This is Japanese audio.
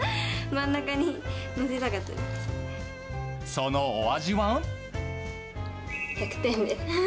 そのお味は。